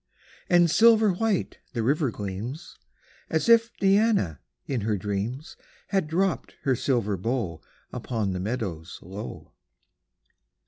5 And silver white the river gleams, As if Diana, in her dreams, • Had dropt her silver bow Upon the meadows low.